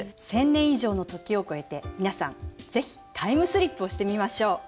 １，０００年以上の時を超えて皆さん是非タイムスリップをしてみましょう。